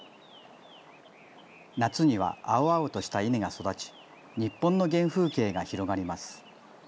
夏には青々とした稲が育ち、日本の原風景が広がります。